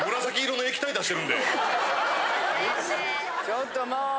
ちょっともう。